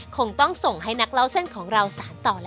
คงต้องส่งให้นักเล่าเส้นของเราสารต่อแล้ว